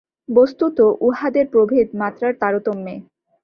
বস্তুত উহাদের প্রভেদ মাত্রার তারতম্যে।